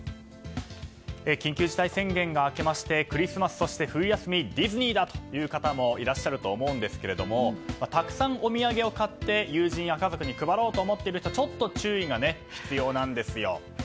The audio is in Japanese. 緊急事態宣言が明けましてクリスマス、そして冬休みディズニーだ！という方もいらっしゃると思うんですがたくさんお土産を買って友人や家族に配ろうと思っている人ちょっと注意が必要なんですよ。